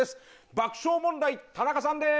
爆笑問題・田中さんです。